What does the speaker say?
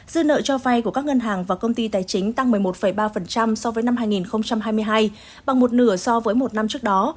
dư nợ cho vay của các ngân hàng và công ty tài chính tăng một mươi một ba so với năm hai nghìn hai mươi hai bằng một nửa so với một năm trước đó